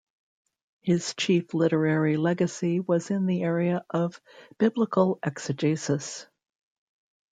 His chief literary legacy was in the area of biblical exegesis.